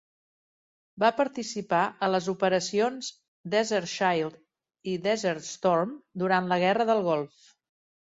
Va participar a les operacions Desert Shield i Desert Storm durant la Guerra del Golf.